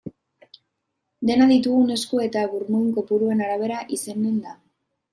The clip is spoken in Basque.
Dena ditugun esku eta burmuin kopuruen arabera izanen da.